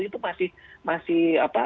itu masih masih apa